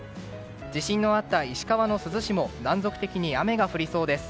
地震のあった石川の珠洲市も断続的に雨が降りそうです。